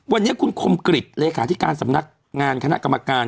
วันนี้คุณคมกฤทธิ์เลยค่ะที่การสำนักงานคณะกรรมการ